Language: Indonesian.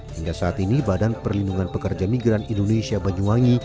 hingga saat ini badan perlindungan pekerja migran indonesia banyuwangi